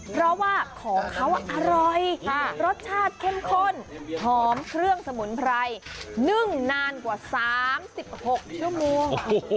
เพราะว่าของเขาอร่อยรสชาติเข้มข้นหอมเครื่องสมุนไพรนึ่งนานกว่า๓๖ชั่วโมง